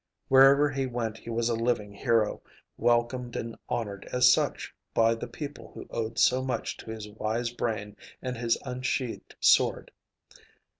Wherever he went he was a living hero, welcomed and honored as such by the people who owed so much to his wise brain and his unsheathed sword.